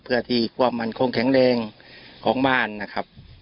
เพื่อที่ความมั่นคงแข็งแรงของบ้านนะครับ